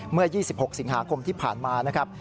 เมื่อ๒๖สิงหาคมที่ผ่านมานะครับ